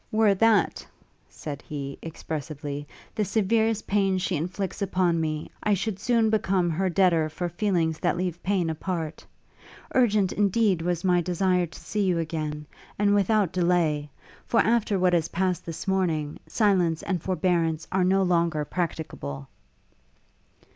'Were that,' said he, expressively, 'the severest pain she inflicts upon me, I should soon become her debtor for feelings that leave pain apart! Urgent, indeed, was my desire to see you again, and without delay; for after what has passed this morning, silence and forbearance are no longer practicable.'